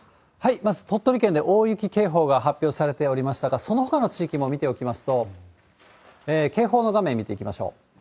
まず鳥取県で大雪警報が発表されておりましたが、そのほかの地域も見ておきますと、警報の画面見ていきましょう。